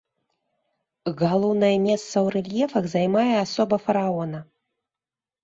Галоўнае месца ў рэльефах займае асоба фараона.